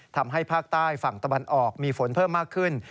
ทำให้ภาคใต้ฝั่งตะวันออกมีฝนเพิ่มมากขึ้น